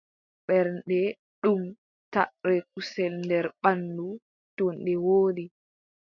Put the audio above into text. Ɓernde, ɗum taʼre kusel nder ɓanndu, to nde woodi,